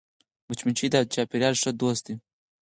مچمچۍ د چاپېریال ښه دوست ده